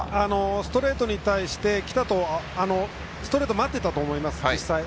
ストレートに対してストレートを待っていたと思います実際。